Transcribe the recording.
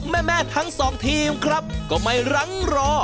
แม่ทั้งสองทีมครับก็ไม่รั้งรอ